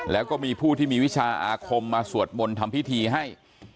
แล้วก็มีผู้ที่มีวิชาอาคมมาสวดมนต์ทำพิธีให้